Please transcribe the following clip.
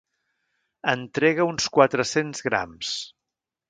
Entrega uns quatre-cents grams.